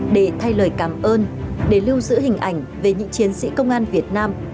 để thay lời cảm ơn để lưu giữ hình ảnh về những chiến sĩ công an việt nam